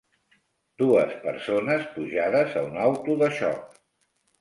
Dues persones pujades a un auto de xoc.